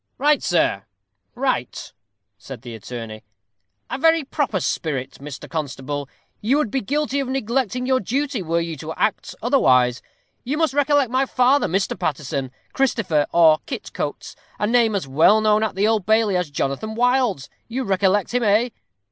"Right, sir right," said the attorney. "A very proper spirit, Mr. Constable. You would be guilty of neglecting your duty were you to act otherwise. You must recollect my father, Mr. Paterson Christopher, or Kit Coates; a name as well known at the Old Bailey as Jonathan Wild's. You recollect him eh?"